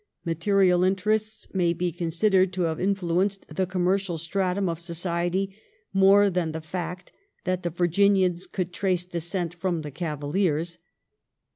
Material interests may be consi dered to have influenced the commercial stratum of society more than the fact that the Virginians could trace descent from the Cavaliers.